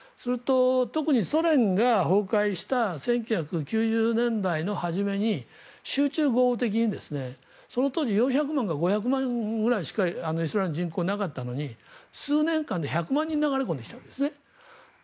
特にソ連が崩壊した１９９０年代の初めに集中豪雨的にその当時、４００万か５００万くらいしかイスラエルの人口はなかったのに数年間で１００万人流れ込んできたんですね。